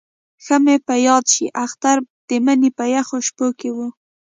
ښه مې په یاد شي اختر د مني په یخو شپو کې وو.